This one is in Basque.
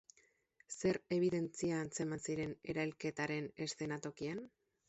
Zer ebidentzia antzeman ziren erailketaren eszenatokian?